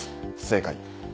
正解。